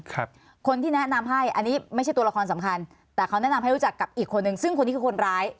คนที่แนะนำให้อันนี้ไม่ใช่ตัวละครสำคัญแต่เขาแนะนำให้รู้จักกับอีกคนนึงซึ่งคนนี้คือคนร้าย